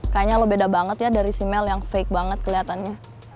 kayaknya lo beda banget ya dari si mel yang fake banget keliatannya